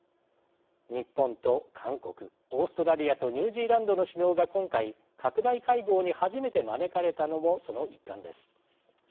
日本と韓国、オーストラリアとニュージーランドの首脳が今回拡大会合に初めて招かれたのもその一環です。